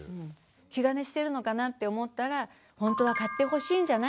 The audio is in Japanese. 気兼ねしてるのかなって思ったらほんとは買ってほしいんじゃない？